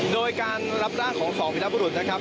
โดยการรับร่างของสองวิรบุรุษนะครับ